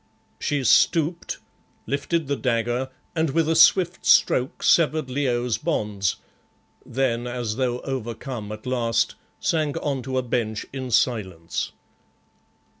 She stooped, lifted the dagger, and with a swift stroke severed Leo's bonds; then, as though overcome at last, sank on to a bench in silence.